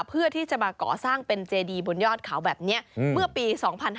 เพื่อที่จะมาก่อสร้างเป็นเจดีบนยอดเขาแบบนี้เมื่อปี๒๕๕๙